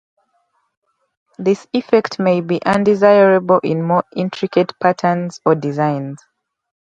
This effect may be undesirable in more intricate patterns or designs.